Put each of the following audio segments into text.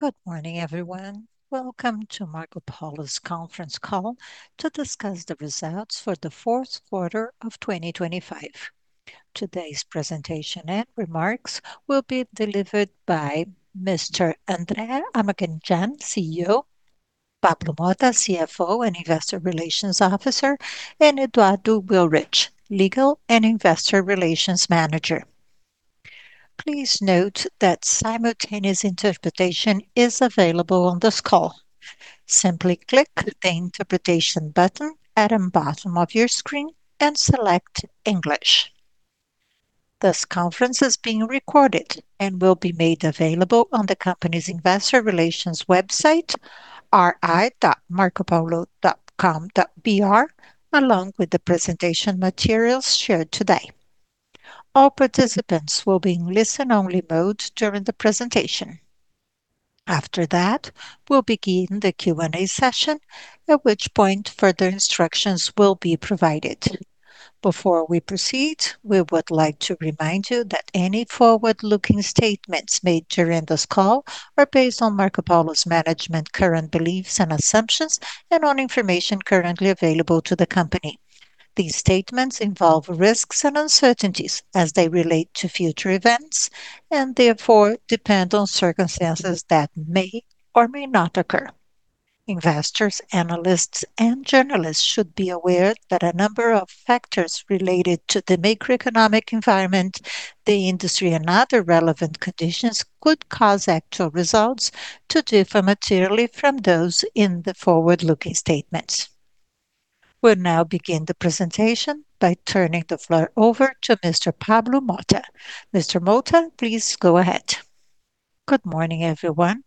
Good morning, everyone. Welcome to Marcopolo's Conference Call to discuss the results for the fourth quarter of 2025. Today's presentation and remarks will be delivered by Mr. André Armaganijan, CEO, Pablo Motta, CFO and Investor Relations Officer, and Eduardo Willrich, Legal and Investor Relations Manager. Please note that simultaneous interpretation is available on this call. Simply click the Interpretation button at the bottom of your screen and select English. This conference is being recorded and will be made available on the company's investor relations website, ri.marcopolo.com.br, along with the presentation materials shared today. All participants will be in listen-only mode during the presentation. After that, we'll begin the Q&A session, at which point further instructions will be provided. Before we proceed, we would like to remind you that any forward-looking statements made during this call are based on Marcopolo's Management current beliefs and assumptions, and on information currently available to the company. These statements involve risks and uncertainties as they relate to future events, and therefore depend on circumstances that may or may not occur. Investors, analysts, and journalists should be aware that a number of factors related to the macroeconomic environment, the industry, and other relevant conditions could cause actual results to differ materially from those in the forward-looking statements. We'll now begin the presentation by turning the floor over to Mr. Pablo Motta. Mr. Motta, please go ahead. Good morning, everyone.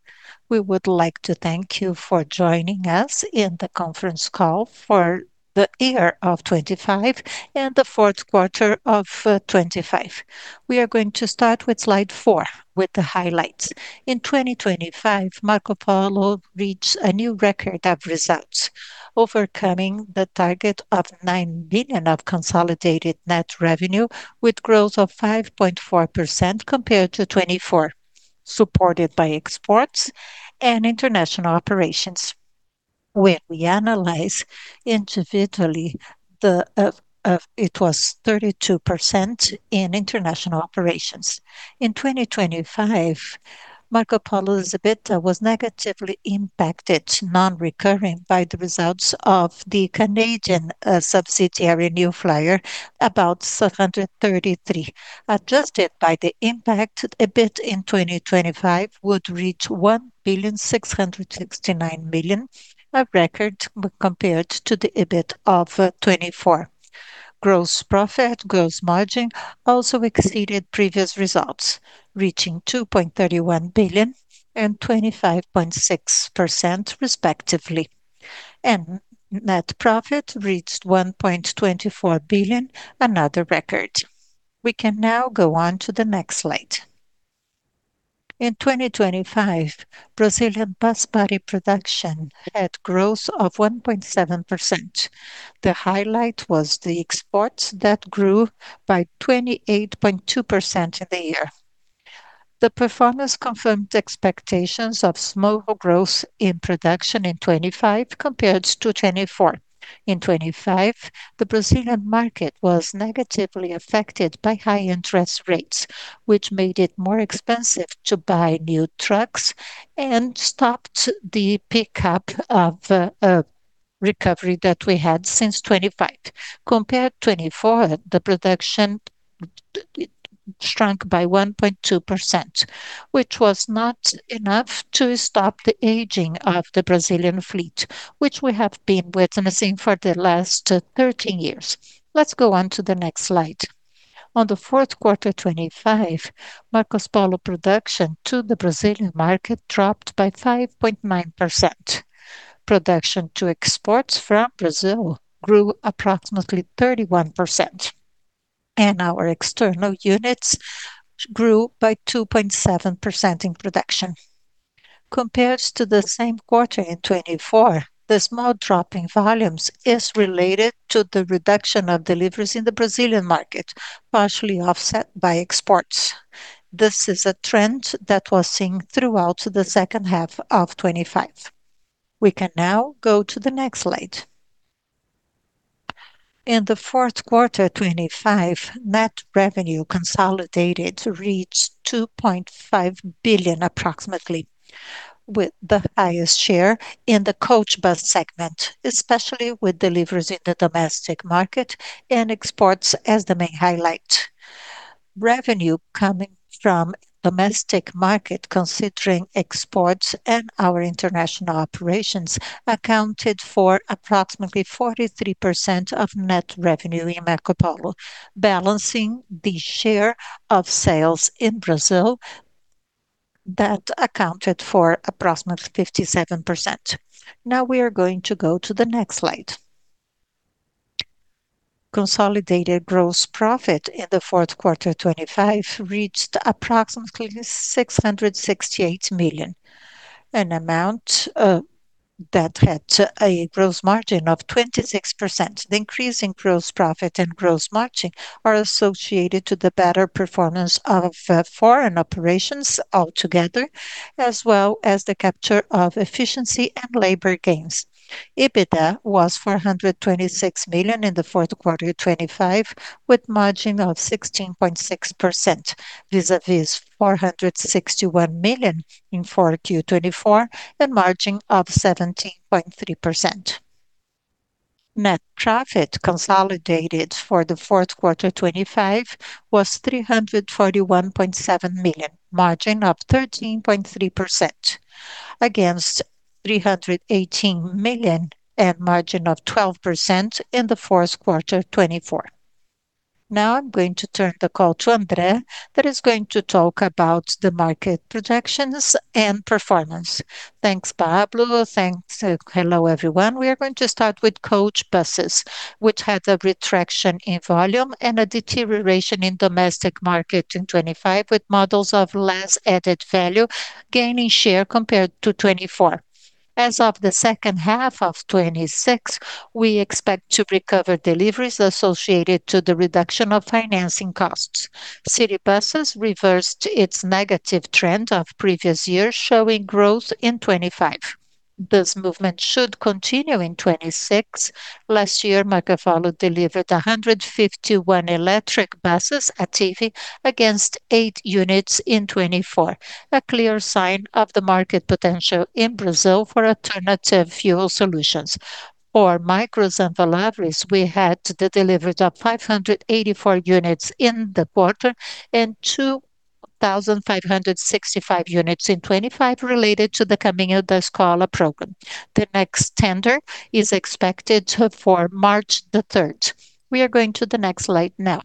We would like to thank you for joining us in the Conference Call for the Year of 2025 and the Fourth Quarter of 2025. We are going to start with slide four, with the highlights. In 2025, Marcopolo reached a new record of results, overcoming the target of 9 billion of consolidated Net revenue, with growth of 5.4% compared to 2024, supported by Exports and International Operations. When we analyze individually, it was 32% in International Operations. In 2025, Marcopolo's EBITDA was negatively impacted, non-recurring, by the results of the Canadian subsidiary, New Flyer, about 733. Adjusted by the impact, EBIT in 2025 would reach 1.669 billion, a record when compared to the EBIT of 2024. Gross profit, gross margin also exceeded previous results, reaching 2.31 billion and 25.6% respectively. Net profit reached 1.24 billion, another record. We can now go on to the next slide. In 2025, Brazilian bus body production had growth of 1.7%. The highlight was the exports that grew by 28.2% in the year. The performance confirmed expectations of small growth in production in 2025 compared to 2024. In 2025, the Brazilian market was negatively affected by high interest rates, which made it more expensive to buy new trucks and stopped the pickup of a recovery that we had since 2025. Compared to 2024, the production shrunk by 1.2%, which was not enough to stop the aging of the Brazilian fleet, which we have been witnessing for the last 13 years. Let's go on to the next slide. On the fourth quarter, 2025, Marcopolo production to the Brazilian market dropped by 5.9%. Production to exports from Brazil grew approximately 31%, and our external units grew by 2.7% in production. Compared to the same quarter in 2024, the small drop in volumes is related to the reduction of deliveries in the Brazilian market, partially offset by exports. This is a trend that was seen throughout the second half of 2025. We can now go to the next slide. In the fourth quarter 2025, net revenue consolidated reached 2.5 billion, approximately, with the highest share in the coach bus segment, especially with deliveries in the domestic market and exports as the main highlight. Revenue coming from domestic market, considering exports and our international operations, accounted for approximately 43% of net revenue in Marcopolo, balancing the share of sales in Brazil that accounted for approximately 57%. Now, we are going to go to the next slide. Consolidated Gross profit in the fourth quarter 2025 reached approximately 668 million, an amount that had a Gross margin of 26%. The increase in Gross profit and Gross margin are associated to the better performance of foreign operations altogether, as well as the capture of efficiency and labor gains. EBITDA was 426 million in the fourth quarter of 2025, with margin of 16.6%, vis-a-vis BRL 461 million in 4Q 2024, and margin of 17.3%. Net profit consolidated for the fourth quarter 2025 was 341.7 million, margin of 13.3%, against 318 million, and margin of 12% in the fourth quarter 2024. I'm going to turn the call to André, that is going to talk about the market projections and performance. Thanks, Pablo. Thanks. Hello, everyone. We are going to start with coach buses, which had a retraction in volume and a deterioration in domestic market in 2025, with models of less added value gaining share compared to 2024. As of the second half of 2026, we expect to recover deliveries associated to the reduction of financing costs. City buses reversed its negative trend of previous years, showing growth in 2025. This movement should continue in 2026. Last year, Marcopolo delivered 151 electric buses, Attivi, against eight units in 2024, a clear sign of the market potential in Brazil for alternative fuel solutions. For Micros and Volare, we had the delivery of 584 units in the quarter, and 2,565 units in 2025, related to the Caminho da Escola program. The next tender is expected for March 3rd. We are going to the next slide now.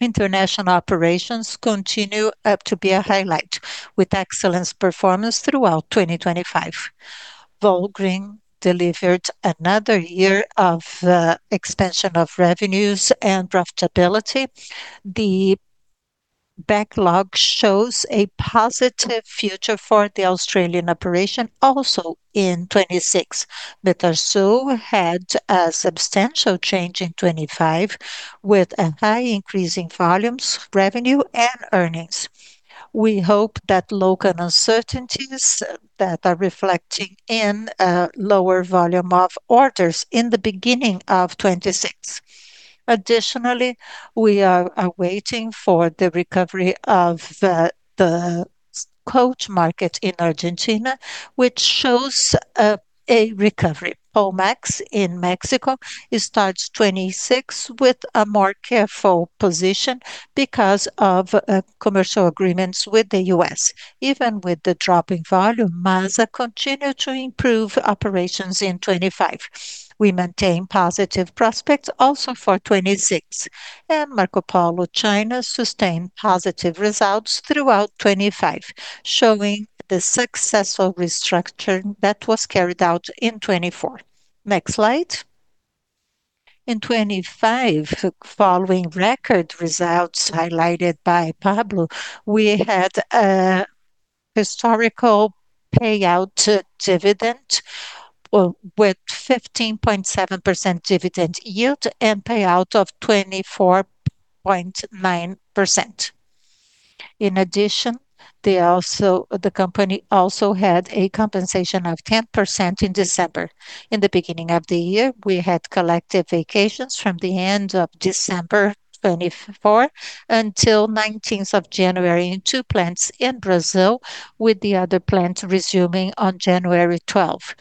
International operations continue to be a highlight, with excellent performance throughout 2025. Volgren delivered another year of expansion of revenues and profitability. The backlog shows a positive future for the Australian operation, also in 2026. Arsau had a substantial change in 2025, with a high increase in volumes, revenue, and earnings. We hope that local uncertainties that are reflecting in lower volume of orders in the beginning of 2026. Additionally, we are waiting for the recovery of the coach market in Argentina, which shows a recovery. Vó Max in Mexico, it starts 2026 with a more careful position because of commercial agreements with the U.S. Even with the drop in volume, MASA continued to improve operations in 2025. We maintain positive prospects also for 2026. Marcopolo China sustained positive results throughout 2025, showing the successful restructuring that was carried out in 2024. Next slide. In 2025, following record results highlighted by Pablo, we had a historical payout dividend, with 15.7% dividend yield, and payout of 24.9%. In addition, the company also had a compensation of 10% in December. In the beginning of the year, we had collective vacations from the end of December 2024, until 19th of January in two plants in Brazil, with the other plant resuming on January 12th.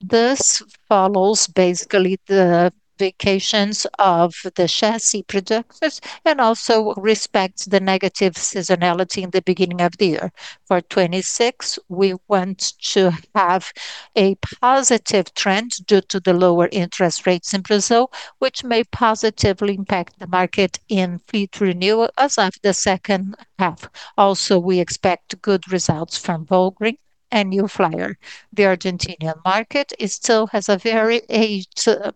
This follows basically the vacations of the chassis producers, and also respects the negative seasonality in the beginning of the year. For 2026, we want to have a positive trend due to the lower interest rates in Brazil, which may positively impact the market in fleet renewal as of the second half. Also, we expect good results from Volgren and New Flyer. The Argentinian market, it still has a very aged fleet,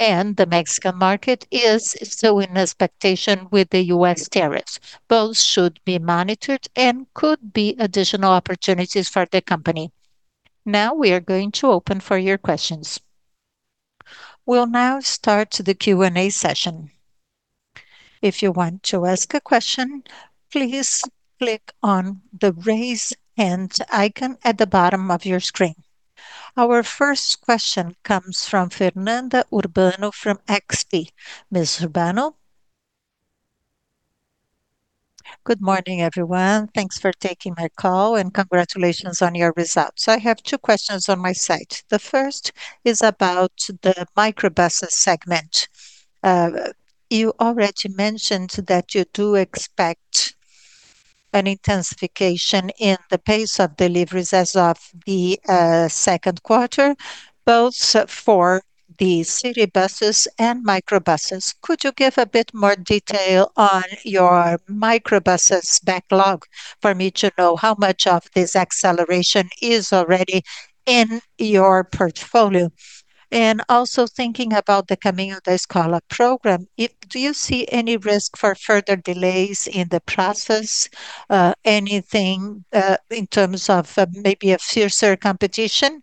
and the Mexican market is still in expectation with the U.S. Tariffs. Both should be monitored and could be additional opportunities for the company. We are going to open for your questions. We'll now start the Q&A session. If you want to ask a question, please click on the Raise Hand icon at the bottom of your screen. Our first question comes from Fernanda Urbano from XP. Ms. Urbano? Good morning, everyone. Thanks for taking my call, and congratulations on your results. I have two questions on my side. The first is about the Microbus segment. You already mentioned that you do expect an intensification in the pace of deliveries as of the second quarter, both for the City buses and Micro buses. Could you give a bit more detail on your Micro buses backlog for me to know how much of this acceleration is already in your portfolio? Also thinking about the Caminho da Escola program, do you see any risk for further delays in the process, anything in terms of maybe a fiercer competition?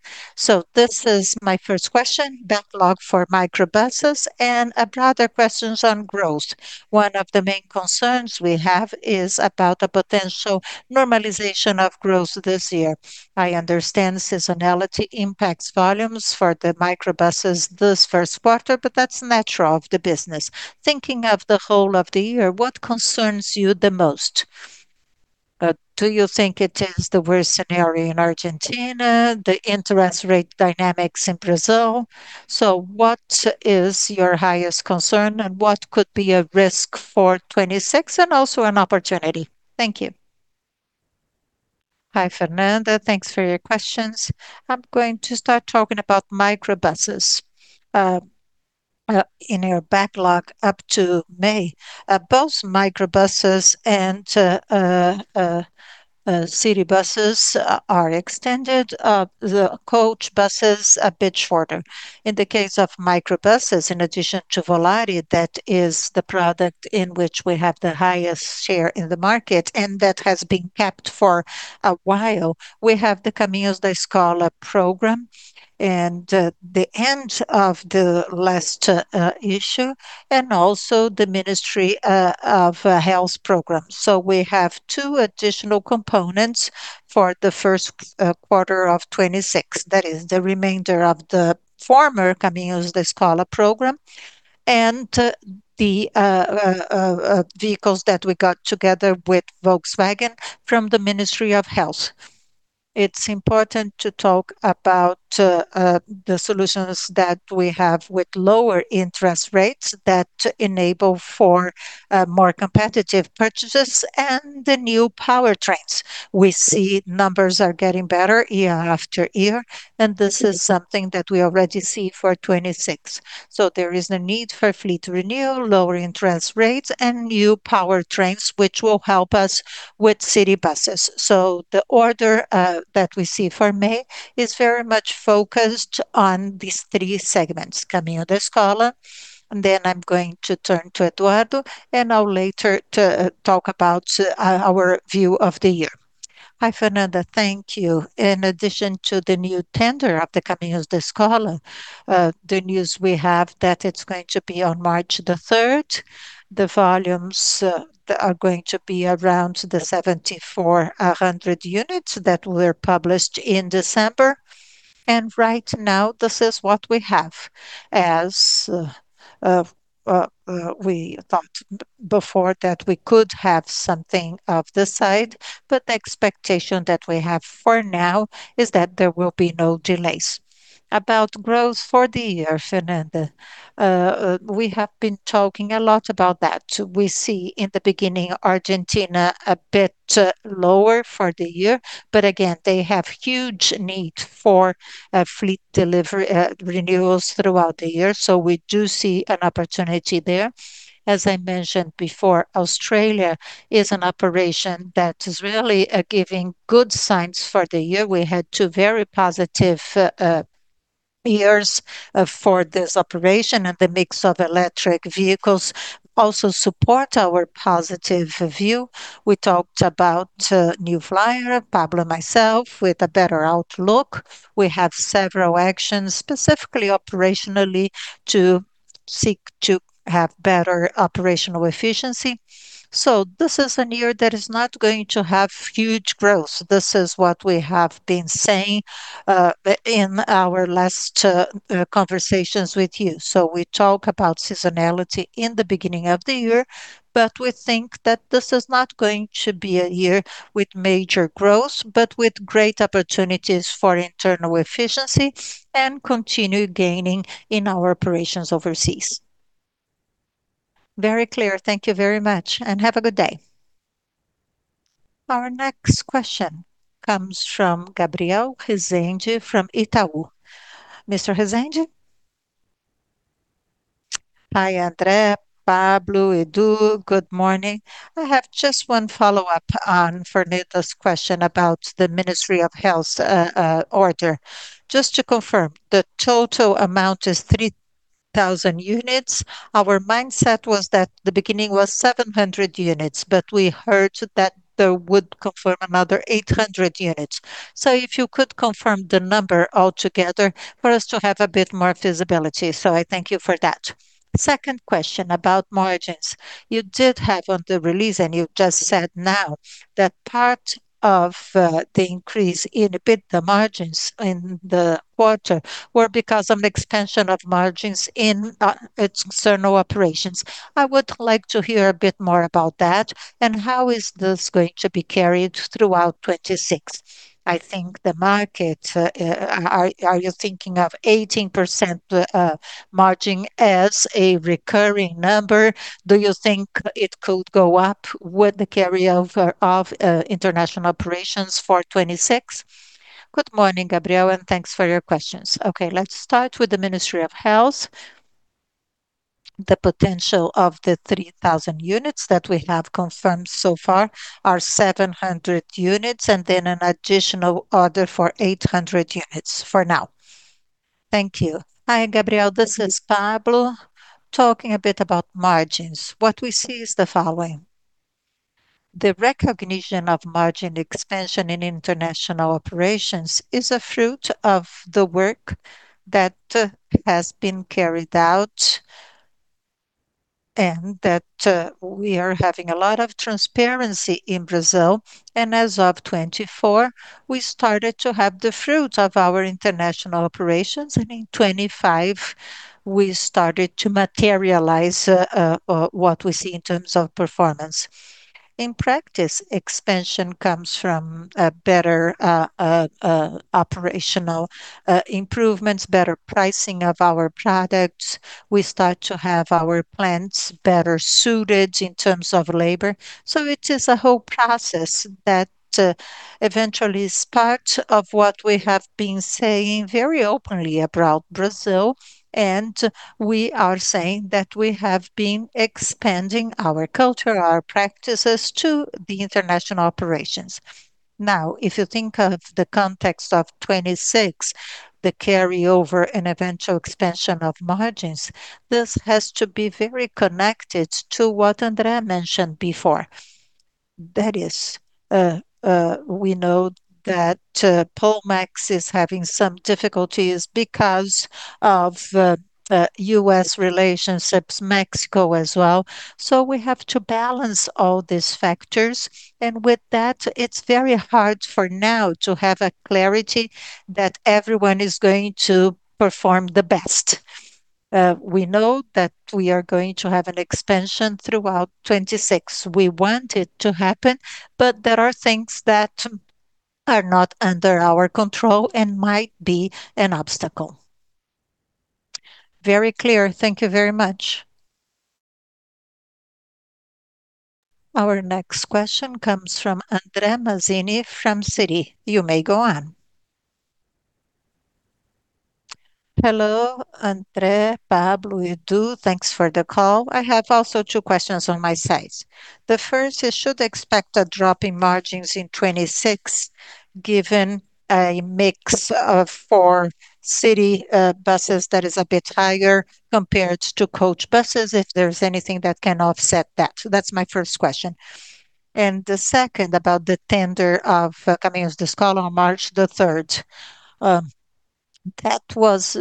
This is my first question, backlog for Micro buses, and a broader questions on growth. One of the main concerns we have is about the potential normalization of growth this year. I understand seasonality impacts volumes for the Micro buses this first quarter, but that's natural of the business. Thinking of the whole of the year, what concerns you the most? Do you think it is the worst scenario in Argentina, the interest rate dynamics in Brazil? What is your highest concern, and what could be a risk for 2026, and also an opportunity? Thank you. Hi, Fernanda. Thanks for your questions. I'm going to start talking about Micro buses. In your backlog up to May, both Micro buses and City buses are extended, the Coach buses a bit shorter. In the case of Micro buses, in addition to Volare, that is the product in which we have the highest share in the market, and that has been kept for a while. We have the Caminho da Escola program and the end of the last issue, and also the Ministry of Health program. We have two additional components for the first quarter of 2026. That is the remainder of the former Caminho da Escola program and the vehicles that we got together with Volkswagen from the Ministry of Health. It's important to talk about the solutions that we have with lower interest rates that enable for more competitive purchases and the new powertrains. We see numbers are getting better year-after-year, and this is something that we already see for 2026. There is a need for Fleet Renewal, lower interest rates, and new powertrains, which will help us with city buses. The order that we see for May is very much focused on these three segments, Caminho da Escola. I'm going to turn to Eduardo, and I'll later to talk about our view of the year. Hi, Fernanda. Thank you. In addition to the new tender of the Caminho da Escola, the news we have that it's going to be on March 3rd. The volumes are going to be around 7,400 units that were published in December. Right now, this is what we have as, we thought before that we could have something of this side, but the expectation that we have for now is that there will be no delays. About growth for the year, Fernanda, we have been talking a lot about that. We see in the beginning, Argentina, a bit lower for the year. Again, they have huge need for fleet delivery, renewals throughout the year, so we do see an opportunity there. As I mentioned before, Australia is an operation that is really giving good signs for the year. We had two very positive years for this operation, and the mix of electric vehicles also support our positive view. We talked about New Flyer, Pablo and myself, with a better outlook. We have several actions, specifically operationally, to seek to have better operational efficiency. This is a year that is not going to have huge growth. This is what we have been saying in our last conversations with you. We talk about seasonality in the beginning of the year, but we think that this is not going to be a year with major growth, but with great opportunities for internal efficiency and continue gaining in our operations overseas. Very clear. Thank you very much, and have a good day. Our next question comes from Gabriel Rezende from Itaú. Mr. Rezende? Hi, André, Pablo, Edu. Good morning. I have just one follow-up on Fernanda's question about the Ministry of Health order. Just to confirm, the total amount is 3,000 units. Our mindset was that the beginning was 700 units, we heard that there would confirm another 800 units. If you could confirm the number altogether for us to have a bit more visibility. I thank you for that. Second question about margins. You did have on the release, and you've just said now, that part of the increase in EBITDA margins in the quarter were because of the expansion of margins in external operations. I would like to hear a bit more about that, and how is this going to be carried throughout 2026?... I think the market, are you thinking of 18% margin as a recurring number? Do you think it could go up with the carryover of international operations for 2026? Good morning, Gabriel, thanks for your questions. Let's start with the Ministry of Health. The potential of the 3,000 units that we have confirmed so far are 700 units, an additional order for 800 units for now. Thank you. Hi, Gabriel, this is Pablo. Talking a bit about margins, what we see is the following: The recognition of margin expansion in International Operations is a fruit of the work that has been carried out, we are having a lot of transparency in Brazil. As of 2024, we started to have the fruit of our International Operations, and in 2025, we started to materialize what we see in terms of performance. In practice, expansion comes from a better operational improvements, better pricing of our products. We start to have our plants better suited in terms of labor. It is a whole process that eventually is part of what we have been saying very openly about Brazil, and we are saying that we have been expanding our culture, our practices to the international operations. If you think of the context of 2026, the carryover and eventual expansion of margins, this has to be very connected to what André mentioned before. We know that Pulmax is having some difficulties because of U.S. relationships, Mexico as well. We have to balance all these factors, and with that, it's very hard for now to have a clarity that everyone is going to perform the best. We know that we are going to have an expansion throughout 2026. We want it to happen, there are things that are not under our control and might be an obstacle. Very clear. Thank you very much. Our next question comes from Andreia Mazzini from Citi.You may go on. Hello, André, Pablo, Edu. Thanks for the call. I have also two questions on my side. The first, you should expect a drop in margins in 2026, given a mix of four City buses that is a bit higher compared to Coach buses, if there's anything that can offset that. That's my first question. The second, about the tender of Caminho da Escola on March 3rd. That was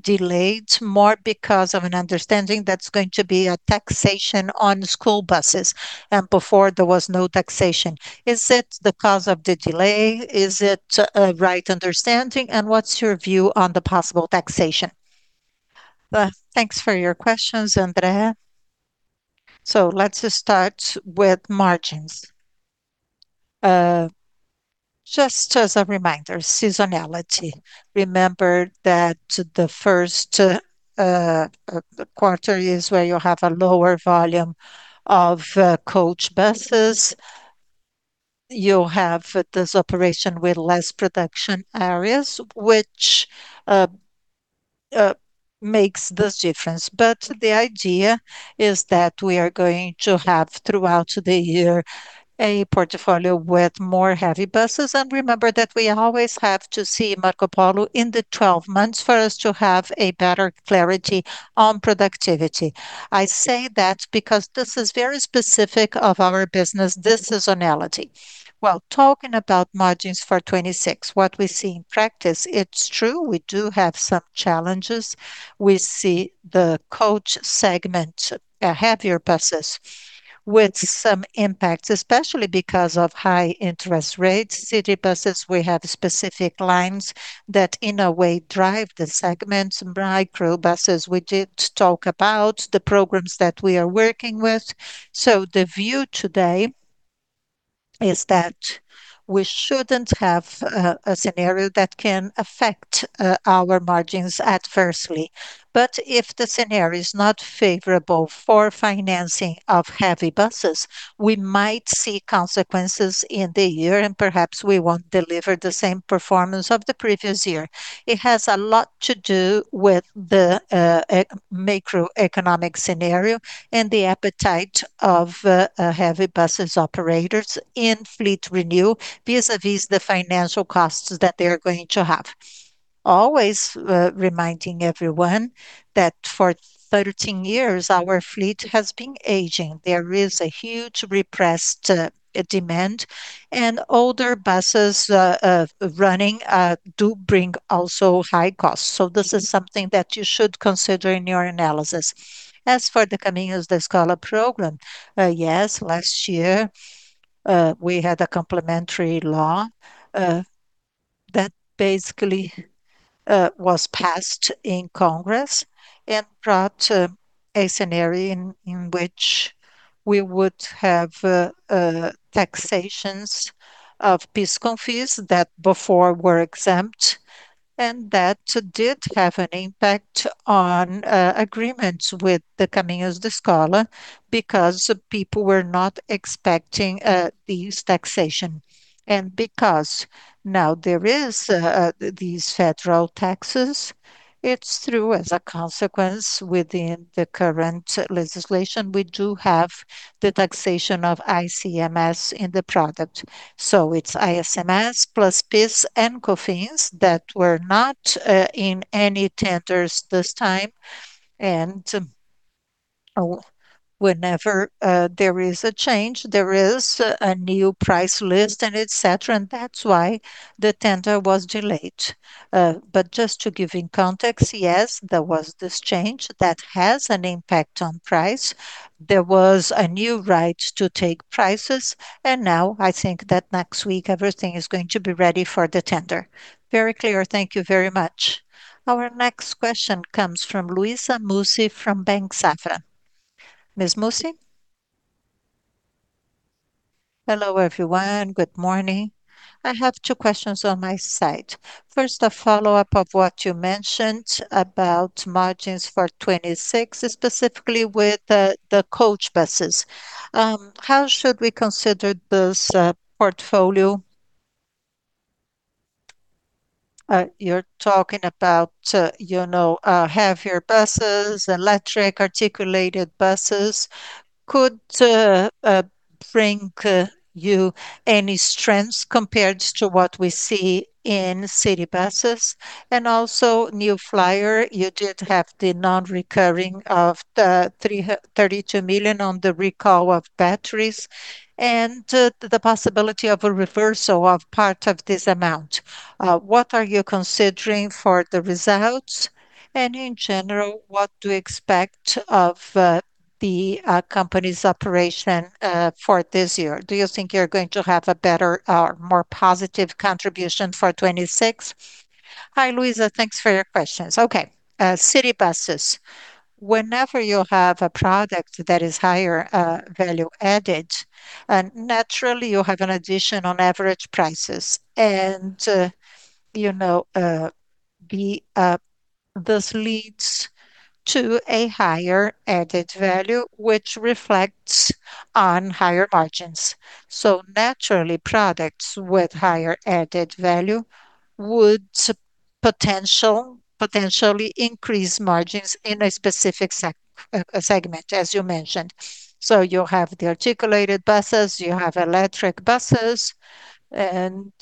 delayed more because of an understanding that's going to be a taxation on school buses. Before there was no taxation. Is it the cause of the delay? Is it a right understanding, what's your view on the possible taxation? Thanks for your questions, Andreia. Let's start with margins. Just as a reminder, seasonality. Remember that the first quarter is where you have a lower volume of coach buses. You have this operation with less production areas, which makes this difference. The idea is that we are going to have, throughout the year, a portfolio with more heavy buses. Remember that we always have to see Marcopolo in the 12 months for us to have a better clarity on productivity. I say that because this is very specific of our business, this seasonality. Well, talking about margins for 2026, what we see in practice, it's true, we do have some challenges. We see the coach segment, heavier buses with some impact, especially because of high interest rates. City buses, we have specific lines that, in a way, drive the segments. Micro buses, we did talk about the programs that we are working with. The view today is that we shouldn't have a scenario that can affect our margins adversely. If the scenario is not favorable for financing of heavy buses, we might see consequences in the year, and perhaps we won't deliver the same performance of the previous year. It has a lot to do with the macroeconomic scenario and the appetite of heavy buses operators in fleet renewal, vis-à-vis the financial costs that they're going to have. Always reminding everyone that for 13 years, our fleet has been aging. There is a huge repressed demand, and older buses running do bring also high costs. This is something that you should consider in your analysis. As for the Caminho da Escola program, yes, last year, we had a complementary law that basically was passed in Congress and brought a scenario in which we would have taxations of PIS/COFINS that before were exempt, and that did have an impact on agreements with the Caminho da Escola, because people were not expecting these taxation. Because now there is these Federal taxes, it's through as a consequence within the current legislation, we do have the Taxation of ICMS in the product. It's ICMS plus PIS/COFINS that were not in any tenders this time. Whenever there is a change, there is a new price list and et cetera, and that's why the tender was delayed. But just to give in context, yes, there was this change that has an impact on price. There was a new right to take prices. I think that next week everything is going to be ready for the tender. Very clear. Thank you very much. Our next question comes from Luiza Mussi from Banco Safra. Ms. Mussi? Hello, everyone. Good morning. I have two questions on my side. First, a follow-up of what you mentioned about margins for 2026, specifically with the Coach buses. How should we consider this portfolio? You're talking about, you know, heavier buses, electric articulated buses. Could bring you any strengths compared to what we see in city buses? Also New Flyer, you did have the non-recurring of 32 million on the recall of batteries, and the possibility of a reversal of part of this amount. What are you considering for the results? In general, what to expect of the company's operation for this year? Do you think you're going to have a better or more positive contribution for 2026? Hi, Luiza. Thanks for your questions. Okay, City buses. You have a product that is higher value added, and naturally you have an addition on average prices, and you know, this leads to a higher added value, which reflects on higher margins. Naturally, products with higher added value would potentially increase margins in a specific segment, as you mentioned. You have the articulated buses, you have electric buses, and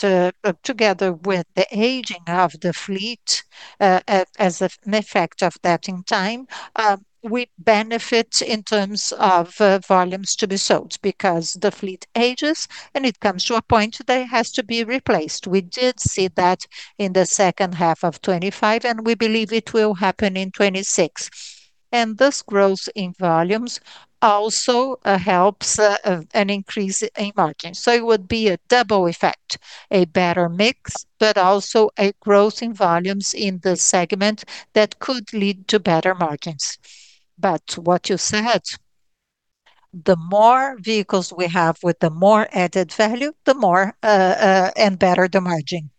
together with the aging of the fleet, as an effect of that in time, we benefit in terms of volumes to be sold. Because the fleet ages, and it comes to a point that it has to be replaced. We did see that in the second half of 2025, and we believe it will happen in 2026. This growth in volumes also helps an increase in margins. It would be a double effect, a better mix, but also a growth in volumes in the segment that could lead to better margins. What you said, the more vehicles we have with the more added value, the more, and better the margin.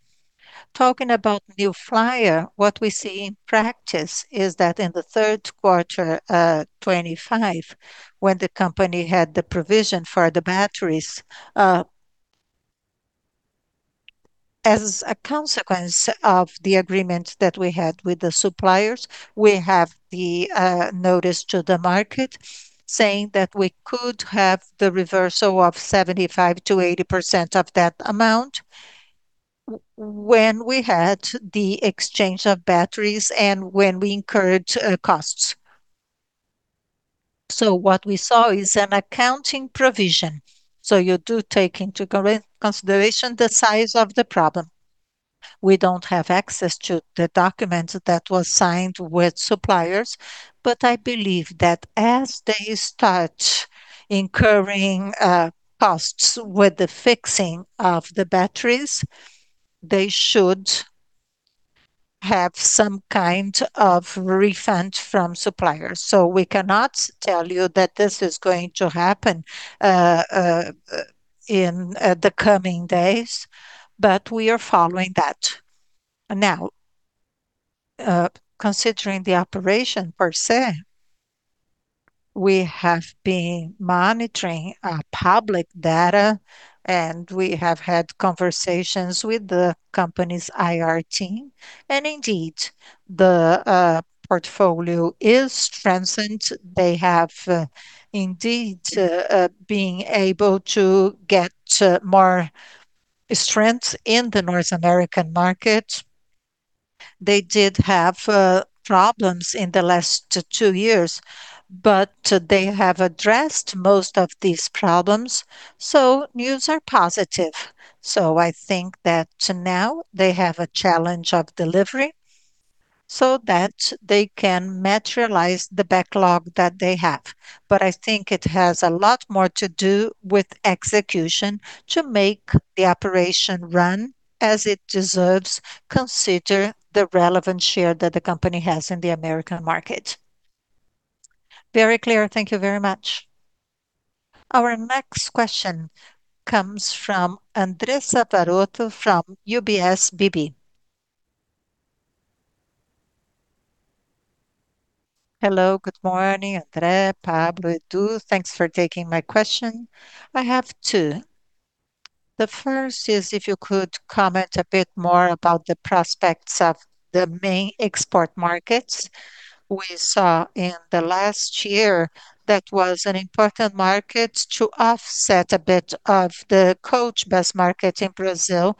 Talking about New Flyer, what we see in practice is that in the third quarter, 2025, when the company had the provision for the batteries, as a consequence of the agreement that we had with the suppliers, we have the notice to the market saying that we could have the reversal of 75%-80% of that amount when we had the exchange of batteries and when we incurred costs. What we saw is an accounting provision. You do take into consideration the size of the problem. We don't have access to the documents that was signed with suppliers, but I believe that as they start incurring costs with the fixing of the batteries, they should have some kind of refund from suppliers. We cannot tell you that this is going to happen in the coming days, but we are following that. Considering the operation per se, we have been monitoring public data, and we have had conversations with the company's IR team, and indeed, the portfolio is strengthened. They have indeed being able to get more strength in the North American market. They did have problems in the last two years, but they have addressed most of these problems. News are positive. I think that now they have a challenge of delivery. so that they can materialize the backlog that they have. I think it has a lot more to do with execution to make the operation run as it deserves, consider the relevant share that the company has in the American market. Very clear. Thank you very much. Our next question comes from Andressa Varotto from UBS BB. Hello, good morning, André, Pablo, Edu. Thanks for taking my question. I have two. The first is, if you could comment a bit more about the prospects of the main export markets. We saw in the last year, that was an important market to offset a bit of the Coach bus market in Brazil.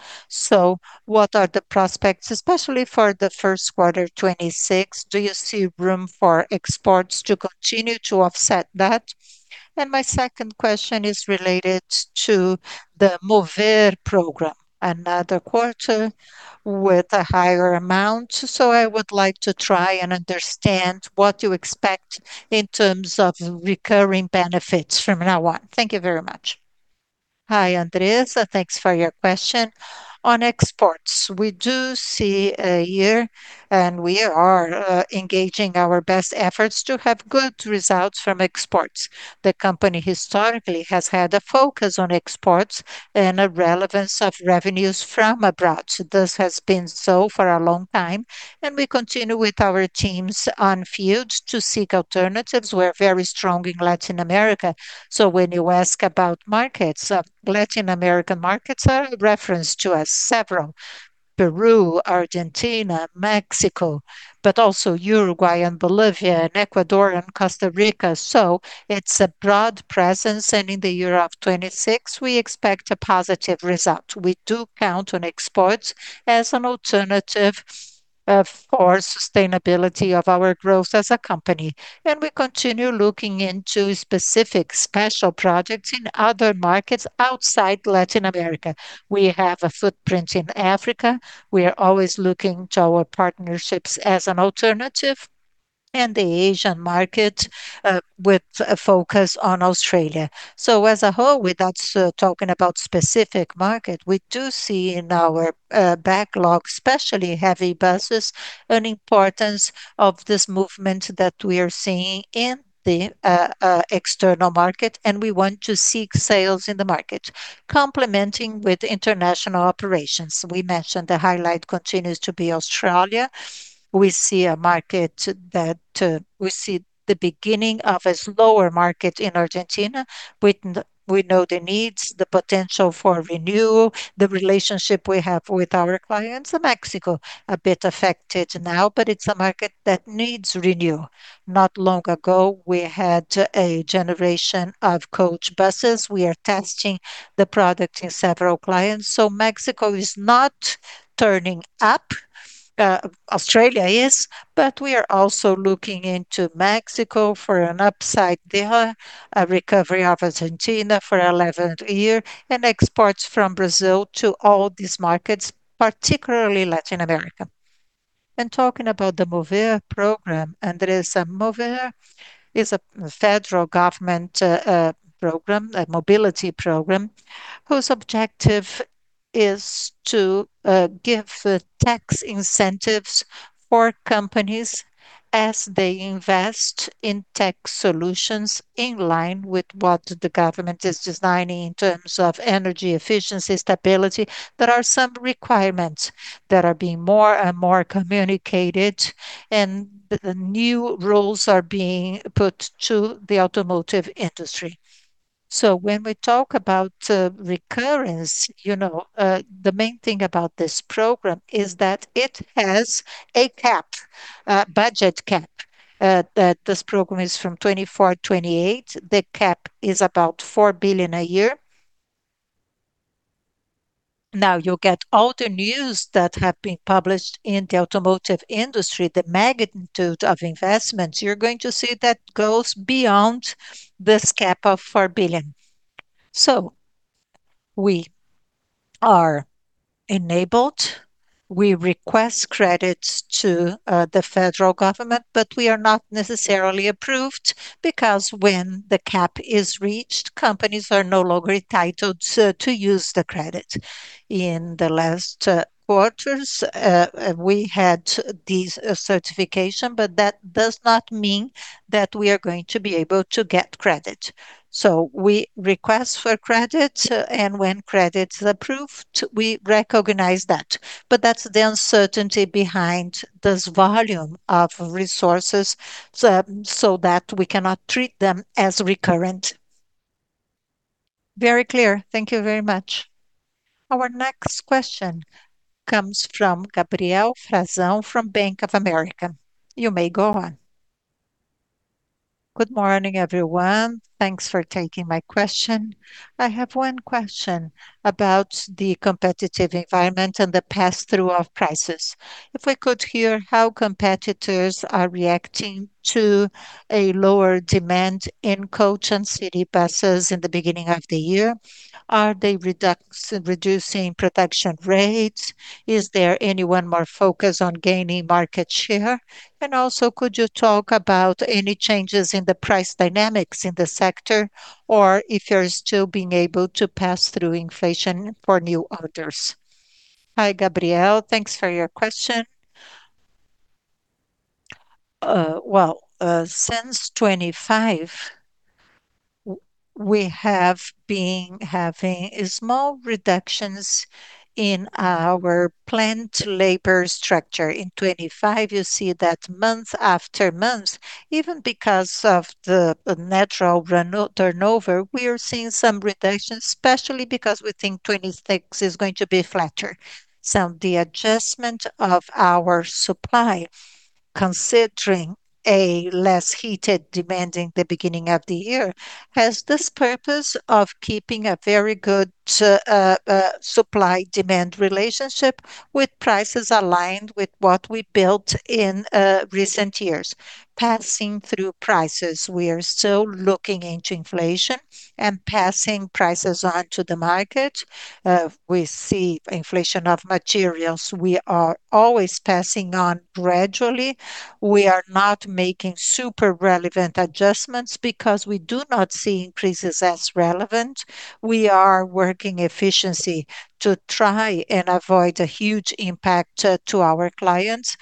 What are the prospects, especially for the first quarter 2026? Do you see room for exports to continue to offset that? My second question is related to the MOVER Program, another quarter with a higher amount. I would like to try and understand what you expect in terms of recurring benefits from now on. Thank you very much. Hi, Andressa. Thanks for your question. On exports, we do see a year, and we are engaging our best efforts to have good results from exports. The company historically has had a focus on exports and a relevance of revenues from abroad. This has been so for a long time, and we continue with our teams on field to seek alternatives. We're very strong in Latin America. When you ask about markets, Latin American markets are a reference to us, several: Peru, Argentina, Mexico, but also Uruguay and Bolivia and Ecuador and Costa Rica. It's a broad presence, and in the year of 2026, we expect a positive result. We do count on exports as an alternative for sustainability of our growth as a company, we continue looking into specific special projects in other markets outside Latin America. We have a footprint in Africa. We are always looking to our partnerships as an alternative, the Asian market, with a focus on Australia. As a whole, without talking about specific market, we do see in our backlog, especially heavy buses, an importance of this movement that we are seeing in the external market, we want to seek sales in the market. Complementing with international operations, we mentioned the highlight continues to be Australia. We see the beginning of a slower market in Argentina. We know the needs, the potential for renewal, the relationship we have with our clients. Mexico, a bit affected now, but it's a market that needs renewal. Not long ago, we had a generation of coach buses. We are testing the product in several clients. Mexico is not turning up, Australia is, but we are also looking into Mexico for an upside there, a recovery of Argentina for 11th year, exports from Brazil to all these markets, particularly Latin America. Talking about the Mover program, Andressa, Mover is a federal government program, a mobility program, whose objective is to give tax incentives for companies as they invest in tech solutions in line with what the government is designing in terms of energy efficiency, stability. There are some requirements that are being more and more communicated, the new rules are being put to the automotive industry. When we talk about recurrence, you know, the main thing about this program is that it has a cap, a budget cap. That this program is from 2024 to 2028. The cap is about 4 billion a year. You'll get all the news that have been published in the automotive industry, the magnitude of investments, you're going to see that goes beyond this cap of 4 billion. We are enabled. We request credits to the federal government, but we are not necessarily approved, because when the cap is reached, companies are no longer entitled to use the credit. In the last quarters, we had this certification, but that does not mean that we are going to be able to get credit. We request for credit, and when credit is approved, we recognize that. That's the uncertainty behind this volume of resources, so that we cannot treat them as recurrent. Very clear. Thank you very much. Our next question comes from Gabriel Frazão from Bank of America. You may go on. Good morning, everyone. Thanks for taking my question. I have one question about the competitive environment and the pass-through of prices. We could hear how competitors are reacting to a lower demand in Coach and City buses in the beginning of the year. Are they reducing production rates? Is there anyone more focused on gaining market share? Also, could you talk about any changes in the price dynamics in the sector, or if you're still being able to pass through inflation for new orders? Hi, Gabriel. Thanks for your question. Well, since 2025, we have been having a small reductions in our plant labor structure. In 2025, you see that month-after-month, even because of the natural turnover, we are seeing some reductions, especially because we think 2026 is going to be flatter. The adjustment of our supply, considering a less heated demand in the beginning of the year, has this purpose of keeping a very good supply-demand relationship with prices aligned with what we built in recent years. Passing through prices, we are still looking into inflation and passing prices on to the market. We see inflation of materials, we are always passing on gradually. We are not making super relevant adjustments because we do not see increases as relevant. We are working efficiency to try and avoid a huge impact to our clients.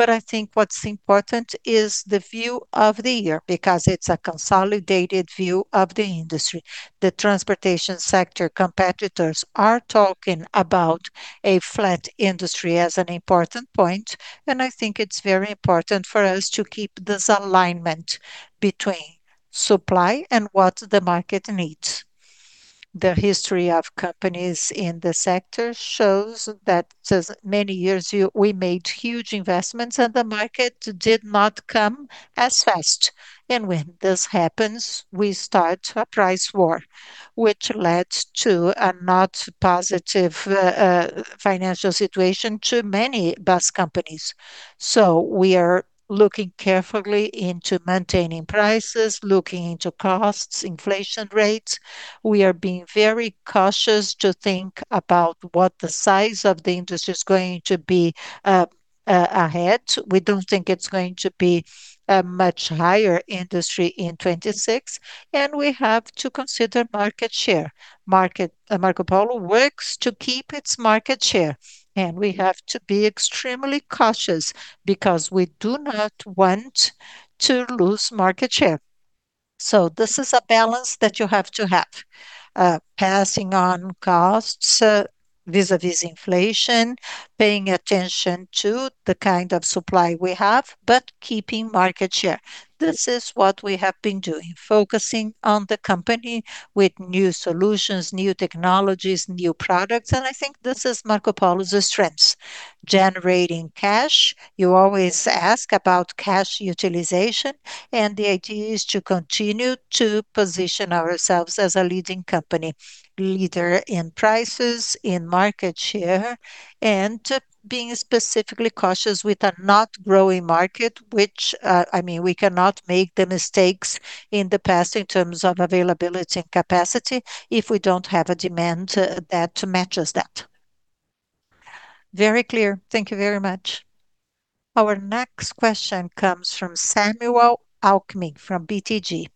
I think what's important is the view of the year, because it's a consolidated view of the industry. The transportation sector competitors are talking about a flat industry as an important point, and I think it's very important for us to keep this alignment between supply and what the market needs. The history of companies in the sector shows that as many years, we made huge investments, and the market did not come as fast. When this happens, we start a price war, which leads to a not positive financial situation to many bus companies. We are looking carefully into maintaining prices, looking into costs, inflation rates. We are being very cautious to think about what the size of the industry is going to be ahead. We don't think it's going to be a much higher industry in 2026. We have to consider market share. Marcopolo works to keep its market share. We have to be extremely cautious because we do not want to lose market share. This is a balance that you have to have. Passing on costs, vis-à-vis inflation, paying attention to the kind of supply we have, but keeping market share. This is what we have been doing, focusing on the company with new solutions, new technologies, new products. I think this is Marcopolo's strengths. Generating cash, you always ask about cash utilization. The idea is to continue to position ourselves as a leading company. Leader in prices, in market share, and being specifically cautious with a not growing market, which, I mean, we cannot make the mistakes in the past in terms of availability and capacity if we don't have a demand that matches that. Very clear. Thank you very much. Our next question comes from Samuel Alves from BTG.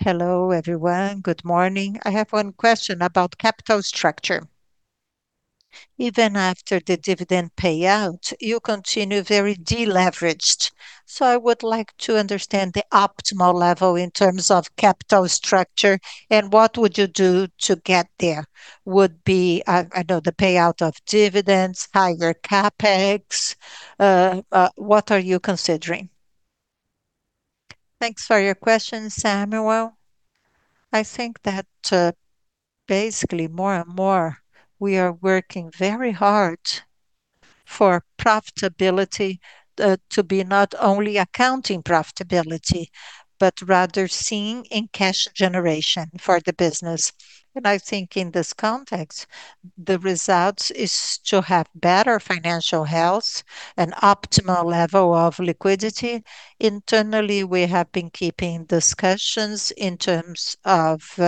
Hello, everyone. Good morning. I have one question about capital structure. Even after the dividend payout, you continue very deleveraged, so I would like to understand the optimal level in terms of capital structure, and what would you do to get there? Would be, I know, the payout of dividends, higher CapEx. What are you considering? Thanks for your question, Samuel. I think that, basically, more and more, we are working very hard for profitability to be not only accounting profitability, but rather seeing in cash generation for the business. I think in this context, the results is to have better financial health and optimal level of liquidity. Internally, we have been keeping discussions in terms of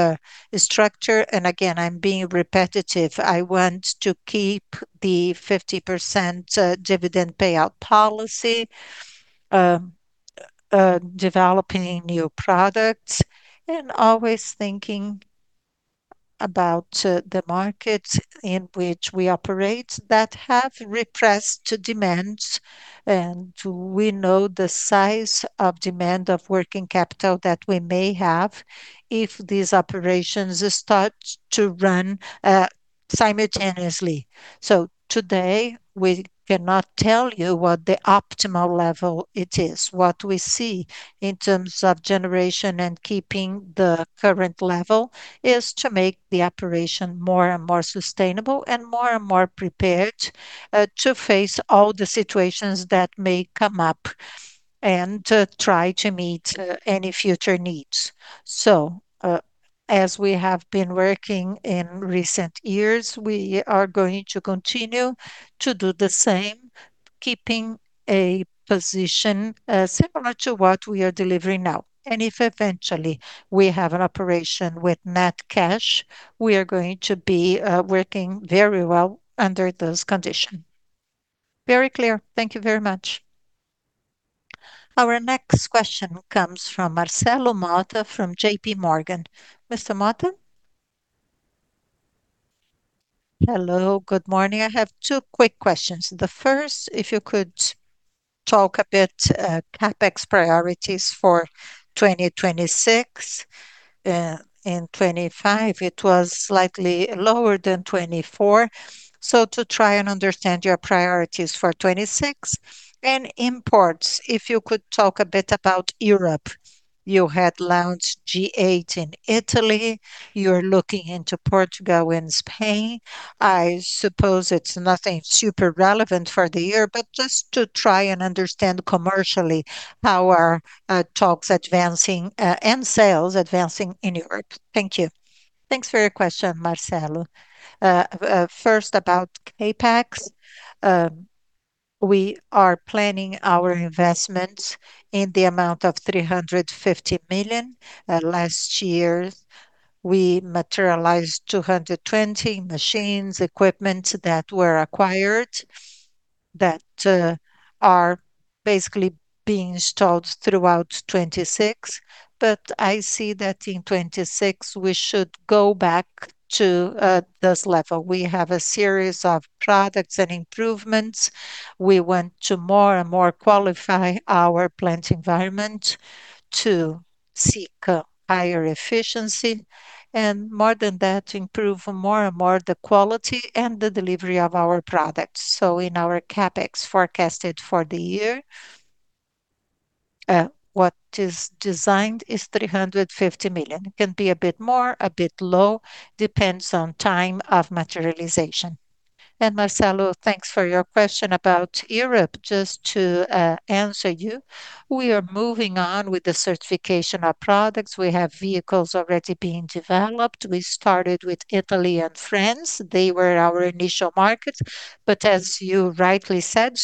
structure, and again, I'm being repetitive. I want to keep the 50% dividend payout policy, developing new products, and always thinking about the markets in which we operate that have repressed demands. We know the size of demand of working capital that we may have if these operations start to run simultaneously. Today, we cannot tell you what the optimal level it is. What we see in terms of generation and keeping the current level, is to make the operation more and more sustainable, and more and more prepared, to face all the situations that may come up, and to try to meet, any future needs. As we have been working in recent years, we are going to continue to do the same, keeping a position, similar to what we are delivering now. If eventually we have an operation with net cash, we are going to be, working very well under this condition. Very clear. Thank you very much. Our next question comes from Marcelo Motta from JPMorgan. Mr. Motta? Hello, good morning. I have two quick questions. The first, if you could talk a bit, CapEx priorities for 2026. In 2025, it was slightly lower than 2024, to try and understand your priorities for 2026. Imports, if you could talk a bit about Europe. You had launched G8 in Italy, you're looking into Portugal and Spain. I suppose it's nothing super relevant for the year, just to try and understand commercially, how are talks advancing and sales advancing in Europe? Thank you. Thanks for your question, Marcelo. First, about CapEx, we are planning our investments in the amount of 350 million. Last year, we materialized 220 machines, equipment that were acquired, that are basically being installed throughout 2026. I see that in 2026, we should go back to this level. We have a series of products and improvements. We want to more and more qualify our plant environment to seek higher efficiency, more than that, improve more and more the quality and the delivery of our products. In our CapEx forecasted for the year, what is designed is 350 million. It can be a bit more, a bit low, depends on time of materialization. Marcelo, thanks for your question about Europe. Just to answer you, we are moving on with the certification of products. We have vehicles already being developed. We started with Italy and France. They were our initial markets, as you rightly said,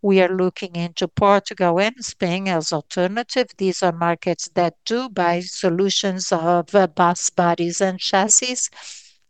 we are looking into Portugal and Spain as alternative. These are markets that do buy solutions of bus bodies and chassis.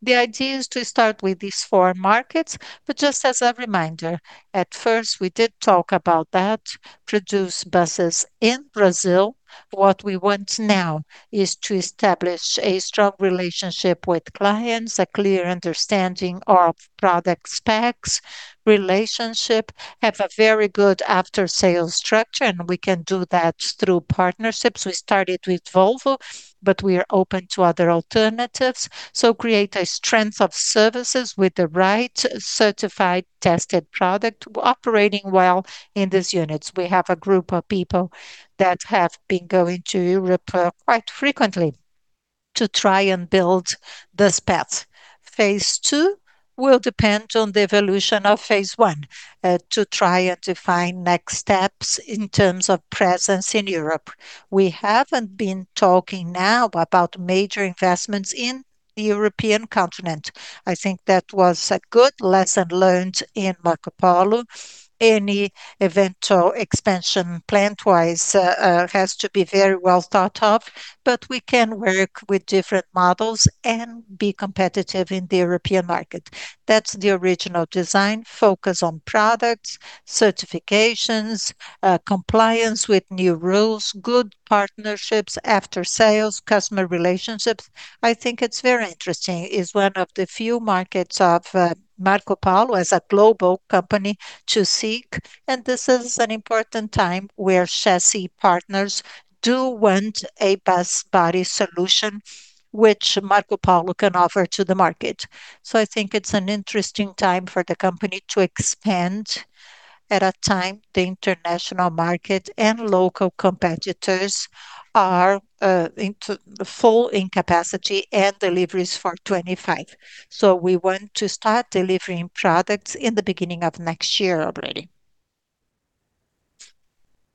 The idea is to start with these four markets. Just as a reminder, at first, we did talk about that, produce buses in Brazil. What we want now is to establish a strong relationship with clients, a clear understanding of product specs, relationship, have a very good after-sales structure, and we can do that through partnerships. We started with Volvo. We are open to other alternatives. Create a strength of services with the right certified, tested product operating well in these units. We have a group of people that have been going to Europe, quite frequently to try and build this path. Phase two will depend on the evolution of phase one, to try and define next steps in terms of presence in Europe. We haven't been talking now about major investments in the European continent. I think that was a good lesson learned in Marcopolo. Any eventual expansion, plant-wise, has to be very well thought of, but we can work with different models and be competitive in the European market. That's the original design: focus on products, certifications, compliance with new rules, good partnerships, after-sales, customer relationships. I think it's very interesting. It's one of the few markets of Marcopolo as a global company to seek, and this is an important time where chassis partners do want a bus body solution, which Marcopolo can offer to the market. I think it's an interesting time for the company to expand at a time the international market and local competitors are into full in capacity and deliveries for 2025. We want to start delivering products in the beginning of next year already.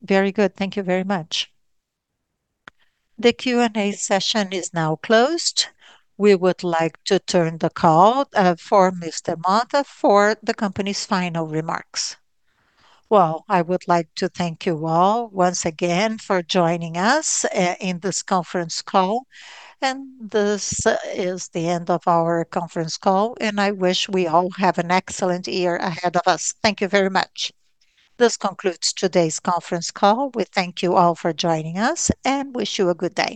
Very good. Thank you very much. The Q&A session is now closed. We would like to turn the call for Mr. Motta for the company's final remarks. Well, I would like to thank you all once again for joining us in this conference call. This is the end of our conference call. I wish we all have an excellent year ahead of us. Thank you very much. This concludes today's conference call. We thank you all for joining us and wish you a good day.